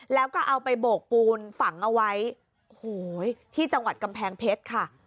แล้วก็เอาไปโบกปูนฝังเอาไว้โอ้โหที่จังหวัดกำแพงเพชรค่ะ